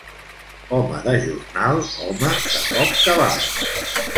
Home de jornal, home de poc cabal.